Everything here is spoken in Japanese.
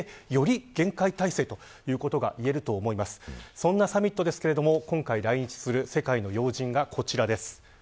そのサミットですけれども今回来日する世界の要人がこちらです。